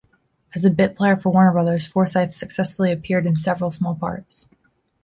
As a bit player for Warner Brothers, Forsythe successfully appeared in several small parts.